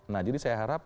nah jadi saya harap